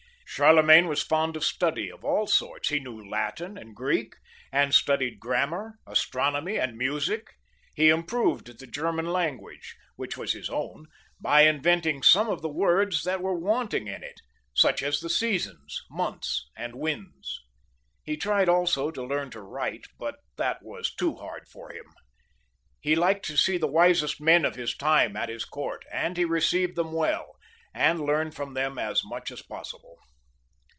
Charlemagne was fpnd of study of all sorts ; he knew Latin and Greek, studied grammar, astronomy, music ; he improved the German languiage, which was his own, by inventing some of the words that were wanting in it, such as the names of seasons, months, and winds. He tried also \f> learn to write, but that was too hard for him. He lik^d to see the wisest men of his time at his court, and he received them well, and learned from them as much as possible.